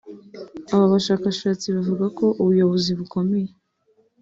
Aba bashakashatsi bavuga ko ubuyobozi bukomeye